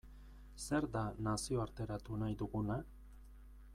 Zer da nazioarteratu nahi duguna?